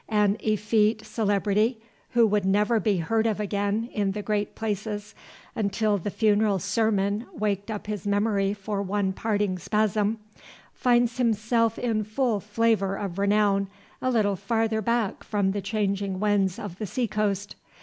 An effete celebrity, who would never be heard of again in the great places until the funeral sermon waked up his memory for one parting spasm, finds himself in full flavor of renown a little farther back from the changing winds of the sea coast.